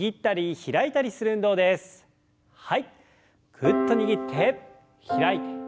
グッと握って開いて。